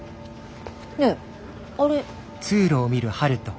ねえあれ。